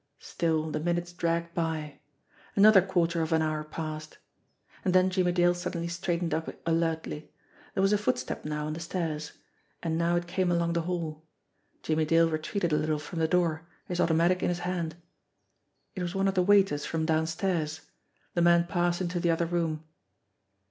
Still the minutes dragged by. Another quarter of an hour passed. And then Jimmie Dale suddenly straightened up alertly. There was a footstep now on the stairs; and now it came along the hall. Jimmie Dale retreated a little from the door, his automatic in his hand. It was one of the waiters from downstairs. The man passed into the other room.